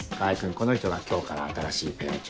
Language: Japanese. この人が今日から新しいペア長。